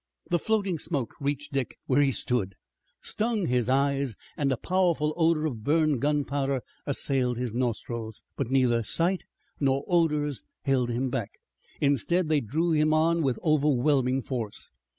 The floating smoke reached Dick where he stood and stung his eyes, and a powerful odor of burned gunpowder assailed his nostrils. But neither sight nor odors held him back. Instead, they drew him on with overwhelming force.